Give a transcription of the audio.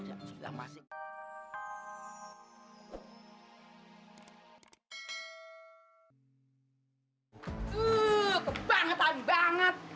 tuh tepat banget